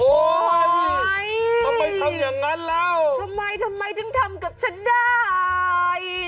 โอ๊ยทำไมทำอย่างนั้นแล้วทำไมทำกับฉันได้